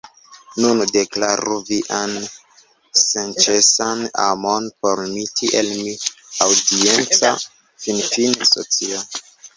Nun, deklaru vian senĉesan amon por mi tiel mi aŭdienco finfine scios